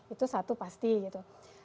itu satu pasti gitu